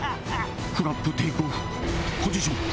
フラップテイクオフポジション。